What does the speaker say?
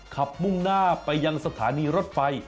มุ่งหน้าไปยังสถานีรถไฟ